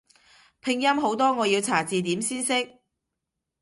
拼音好多我要查字典先識